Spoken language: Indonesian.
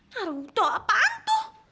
naruto apaan tuh